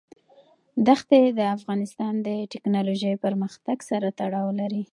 دښتې د افغانستان د تکنالوژۍ پرمختګ سره تړاو لري.